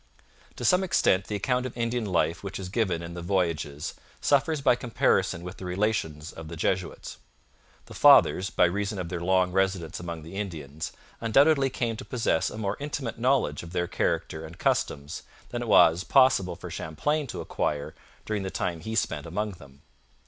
To some extent the account of Indian life which is given in the Voyages suffers by comparison with the Relations of the Jesuits. The Fathers, by reason of their long residence among the Indians, undoubtedly came to possess a more intimate knowledge of their character and customs than it was possible for Champlain to acquire during the time he spent among them.